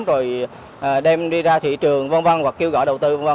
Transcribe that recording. rồi đem đi ra thị trường vân vân hoặc kêu gọi đầu tư vân vân